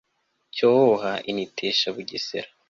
cyohoha inetesha bugesera